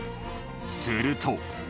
すると。